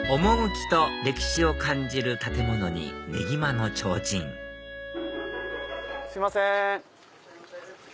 趣と歴史を感じる建物に「ねぎま」のちょうちんすいません。